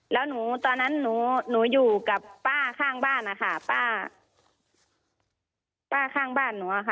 แล้วตอนนั้นหนูอยู่กับป้าข้างบ้านนะคะป้าข้างบ้านหนูค่ะ